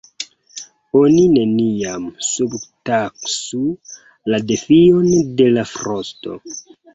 Oni neniam subtaksu la defion de la frosto!